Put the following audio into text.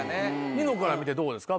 ニノから見てどうですか？